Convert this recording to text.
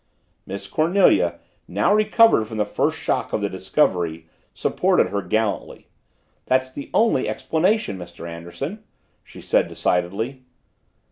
Miss Cornelia, now recovered from the first shock of the discovery, supported her gallantly. "That's the only explanation, Mr. Anderson," she said decidedly.